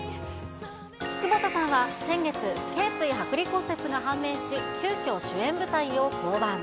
窪田さんは先月、けい椎剥離骨折が判明し、急きょ主演舞台を降板。